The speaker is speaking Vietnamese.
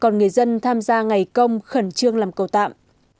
còn người dân tham gia ngày công khẩn trương làm cầu tạm